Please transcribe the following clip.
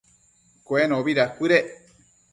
Cuenobi dacuëdec